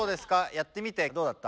やってみてどうだった？